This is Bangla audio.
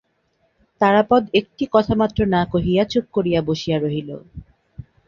তারাপদ একটি কথামাত্র না কহিয়া চুপ করিয়া বসিয়া রহিল।